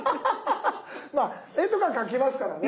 まあ絵とか描きますからね。